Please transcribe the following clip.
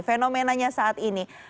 fenomenanya saat ini